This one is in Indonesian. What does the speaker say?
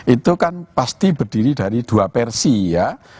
itu kan pasti berdiri dari dua versi ya